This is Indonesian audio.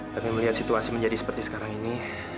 tapi melihat situasi menjadi seperti sekarang ini